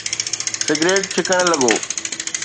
Cigarette ڇڪڻ لڳو.